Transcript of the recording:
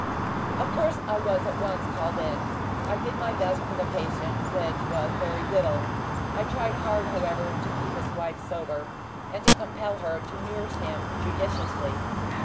Of course I was at once called in. I did my best for the patient, which was very little. I tried hard, however, to keep his wife sober, and to compel her to nurse him judiciously.